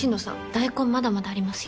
大根まだまだありますよ。